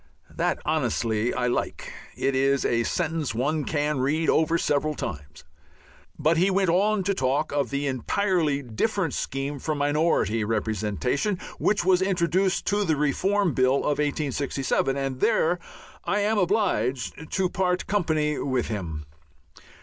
That, honestly, I like. It is a sentence one can read over several times. But he went on to talk of the entirely different scheme for minority representation, which was introduced into the Reform Bill of 1867, and there I am obliged to part company with him.